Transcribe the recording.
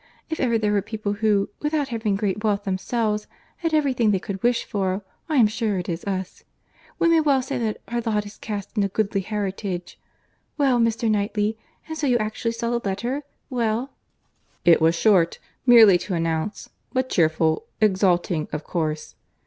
If ever there were people who, without having great wealth themselves, had every thing they could wish for, I am sure it is us. We may well say that 'our lot is cast in a goodly heritage.' Well, Mr. Knightley, and so you actually saw the letter; well—" "It was short—merely to announce—but cheerful, exulting, of course."